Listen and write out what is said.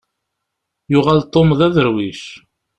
Yuɣal Tom d aderwic.